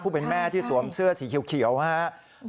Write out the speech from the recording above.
เป็นแม่ที่สวมเสื้อสีเขียวนะครับ